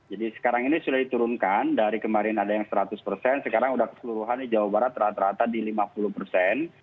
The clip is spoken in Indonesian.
jadi sekarang ini sudah diturunkan dari kemarin ada yang seratus persen sekarang sudah keseluruhan di jawa barat rata rata di lima puluh persen